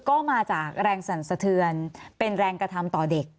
ก็มาจากแรงสั่นสะเทือนเป็นแรงกระทำต่อเด็ก